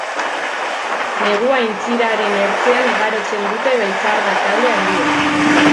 Negua aintziraren ertzean igarotzen dute beltxarga talde handiek.